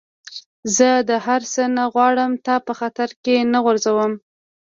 زه دا هر څه نه غواړم، تا په خطر کي نه غورځوم.